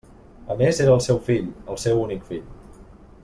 A més, era el seu fill, el seu únic fill.